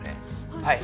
はい。